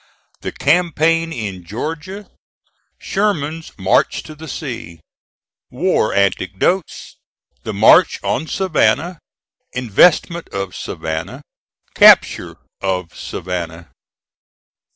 THE CAMPAIGN IN GEORGIA SHERMAN'S MARCH TO THE SEA WAR ANECDOTES THE MARCH ON SAVANNAH INVESTMENT OF SAVANNAH CAPTURE OF SAVANNAH.